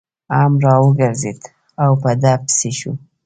هم را وګرځېد او په ده پسې شو.